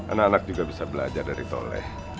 anak anak juga bisa belajar dari toleh